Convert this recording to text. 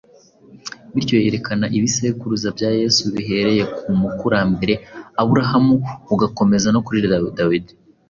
Bityo yerekana ibisekuruza bya Yesu bihereye ku mukurambere Aburahamu ugakomeza no kuri Dawidi